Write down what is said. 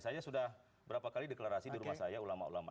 saya sudah berapa kali deklarasi di rumah saya ulama ulama